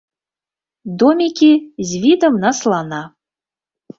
Домікі з відам на слана.